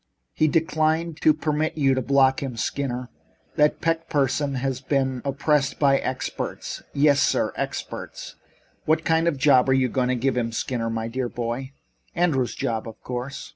He declined to permit you to block him. Skinner, that Peck person has been opposed by experts. Yes, sir experts! What kind of a job are you going to give him, Skinner, my dear boy?" "Andrews' job, of course."